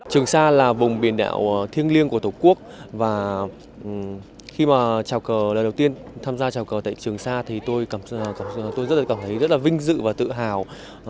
trường sa là vùng biển đảo thiêng liêng của tổ quốc và khi mà chào cờ lần đầu tiên tham gia trào cờ tại trường sa thì tôi rất là cảm thấy rất là vinh dự và tự hào